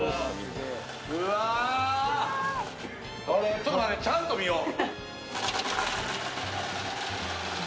ちょっと待って、ちゃんと見よう。